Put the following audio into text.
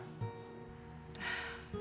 syukur alhamdulillah kalau gitu